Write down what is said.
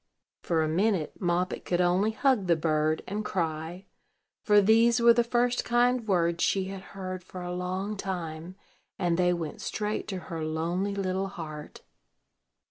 For a minute, Moppet could only hug the bird, and cry; for these were the first kind words she had heard for a long time, and they went straight to her lonely little heart.